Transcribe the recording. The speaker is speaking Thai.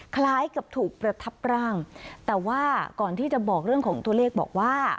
คล้ายกับถูกประทับร่างแต่ว่าก่อนที่จะบอกเรื่องของตัวเลขบอกว่า